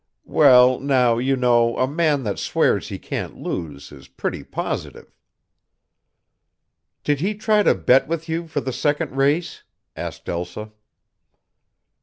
Well, now, you know, a man that swears he can't lose is pretty positive." "Did he try to bet with you for the second race?" asked Elsa.